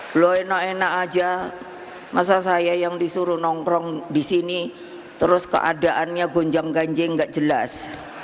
belum enak enak aja masa saya yang disuruh nongkrong di sini terus keadaannya gonjang ganjing nggak jelas